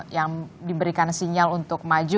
yang diberikan sinyal untuk maju